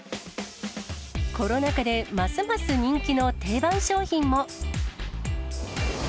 コロナ禍でますます人気の定番商品も。